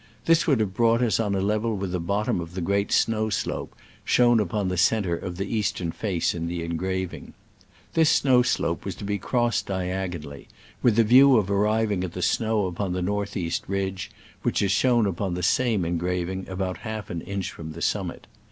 This would have brought us on a level with the bottom of the great snow slope shown upon the centre of the east ern face in the engraving. This snow slope was to be crossed diagonally, with the view of arriving at the snow upon the north east ridge, which is shown upon the same engraving about half an inch from the summit.